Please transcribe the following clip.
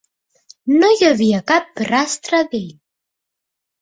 No hi havia cap rastre d'ell.